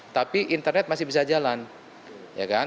tapi internet masih bisa jalan